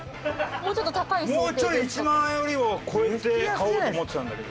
もうちょい１万円よりは超えて買おうと思ってたんだけど。